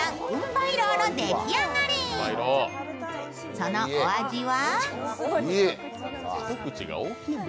そのお味は？